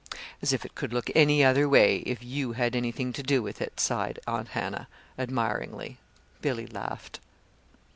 "As if it could look any other way, if you had anything to do with it," sighed Aunt Hannah, admiringly. Billy laughed.